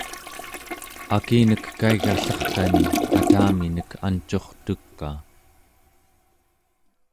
akinek kaigallerkani ataminek ancurtukaa